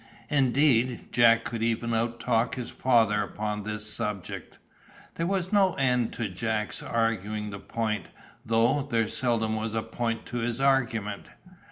Indeed, Jack could even out talk his father upon this subject. "There was no end to Jack's arguing the point, though there seldom was point to his argument."